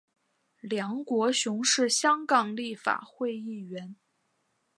梁国雄是香港立法会议员。